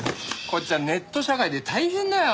こっちはネット社会で大変だよ。